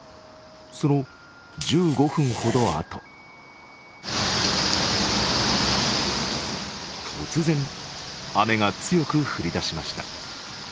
その１５分ほどあと突然、雨が強く降りだしました。